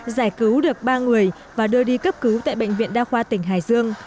giải cứu được ba người và đưa đi cấp cứu tại bệnh viện đa khoa tỉnh hải dương